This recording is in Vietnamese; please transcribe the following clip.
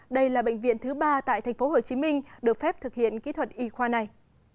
đây là bệnh viện thứ ba tại tp hcm được phép thực hiện kỹ thuật y khoa này